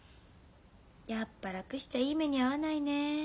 やっぱ楽しちゃいい目に遭わないね。